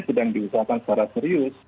sedang diusahakan secara serius